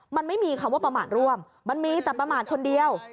มันไม่มีคำว่าประมาทร่วมมันมีแต่ประมาทคนเดียว